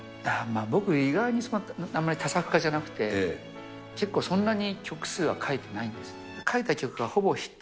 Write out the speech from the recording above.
僕、意外にあんまり多作家じゃなくて、結構そんなに曲数は書いてないんです。